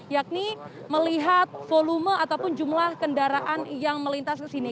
yakni melihat volume ataupun jumlah kendaraan yang melintas ke sini